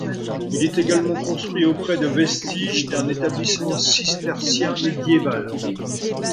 Il est également construit auprès de vestiges d'un établissement cistercien médiéval.